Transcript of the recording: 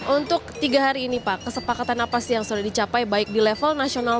untuk tiga hari ini pak kesepakatan apa sih yang sudah dicapai baik di level nasional